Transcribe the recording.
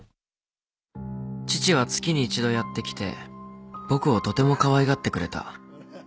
父は月に一度やって来て僕をとてもかわいがってくれた。